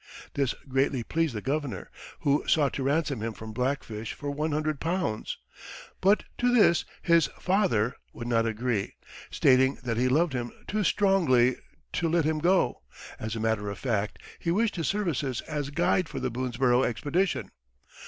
This greatly pleased the governor, who sought to ransom him from Black Fish for £100. But to this his "father" would not agree, stating that he loved him too strongly to let him go as a matter of fact, he wished his services as guide for the Boonesborough expedition.